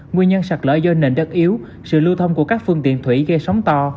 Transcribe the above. nguyên nhân sạt lở do nền đất yếu sự lưu thông của các phương tiện thủy gây sóng to